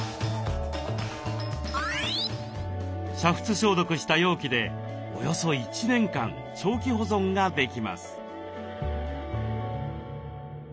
煮沸消毒した容器でおよそ１年間長期保存ができます。